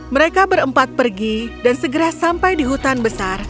mereka berempat pergi dan segera sampai di hutan besar